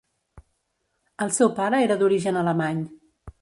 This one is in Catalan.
El seu pare era d'origen alemany.